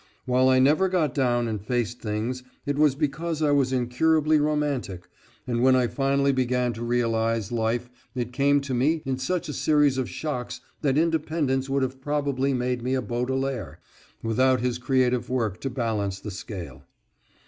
While I never got down and faced things, it was because I was incurably romantic, and when I finally began to realize life it came to me in such a series of shocks that independence would have probably made me a Baudelaire, without his creative work to balance the scale.